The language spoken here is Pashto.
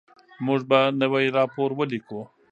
موږ به نوی راپور ولیکو.